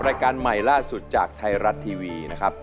รายการใหม่ล่าสุดจากไทยรัฐทีวีนะครับ